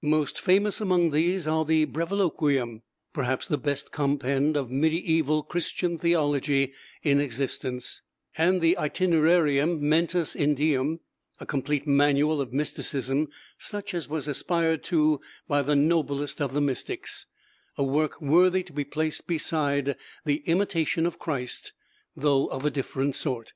Most famous among these are the 'Breviloquium,' perhaps the best compend of mediæval Christian theology in existence; and the 'Itinerarium Mentis in Deum,' a complete manual of mysticism, such as was aspired to by the noblest of the mystics; a work worthy to be placed beside the 'Imitation of Christ,' though of a different sort.